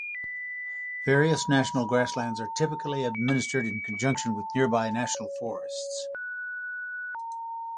Various National Grasslands are typically administered in conjunction with nearby National Forests.